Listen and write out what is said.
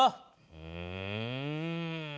うん。